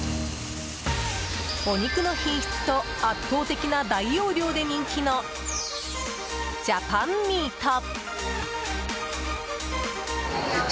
お肉の品質と圧倒的な大容量で人気の、ジャパンミート。